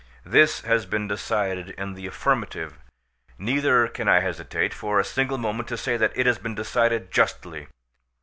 This has been decided in the affirmative, neither can I hesitate for a single moment to say that it has been decided justly.